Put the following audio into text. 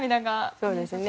そうですね。